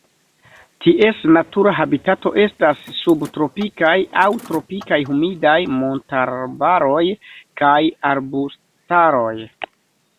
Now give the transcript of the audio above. Ties natura habitato estas subtropikaj aŭ tropikaj humidaj montarbaroj kaj arbustaroj.